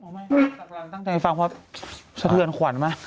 ไม่ตั้งใจฟังเพราะสะเทือนขวัญไหม